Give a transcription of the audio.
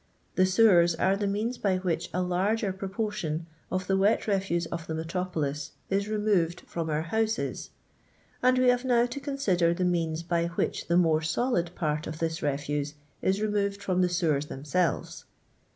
Tlic sewers are the means by which a lai^r pro I portion of the wet refuse of the metropolis is re j moved from our houses, and we have n«>w to con ■ sicjer the means by which the more solid part of I tills refuse is removed from the sewer^i themselves.